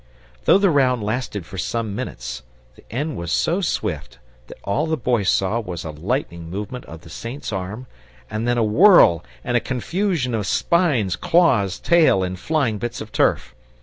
Though the round lasted for some minutes, the end was so swift that all the Boy saw was a lightning movement of the Saint's arm, and then a whirl and a confusion of spines, claws, tail, and flying bits of turf.